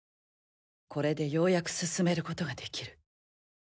これでようやく進める事が出来る。